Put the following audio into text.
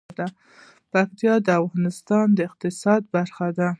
پکتیا د افغانستان د اقتصاد برخه ده.